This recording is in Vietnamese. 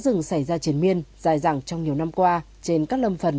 phá rừng xảy ra triển miên dài dặn trong nhiều năm qua trên các lâm phần